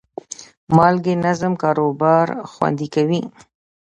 مالي نظم کاروبار خوندي کوي.